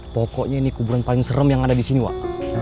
pokoknya ini kuburan paling serem yang ada disini wak